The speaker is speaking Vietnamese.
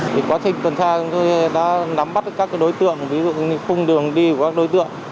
thì quá trình tuần tra chúng tôi đã nắm bắt các đối tượng ví dụ như khung đường đi của các đối tượng